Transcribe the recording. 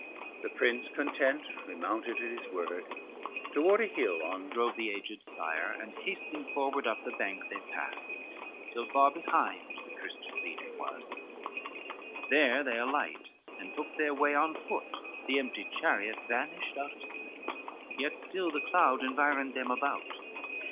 The prince content remounted at his sword, Toward a hill on drove the aged sire, And hasting forward up the bank they pass, Till far behind the Christian leaguer was. XXVIII There they alight and took their way on foot, The empty chariot vanished out of sight, Yet still the cloud environed them about.